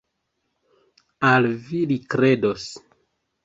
Al vi li kredos!